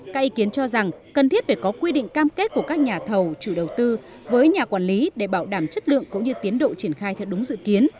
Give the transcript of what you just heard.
các ý kiến cho rằng cần thiết phải có quy định cam kết của các nhà thầu chủ đầu tư với nhà quản lý để bảo đảm chất lượng cũng như tiến độ triển khai theo đúng dự kiến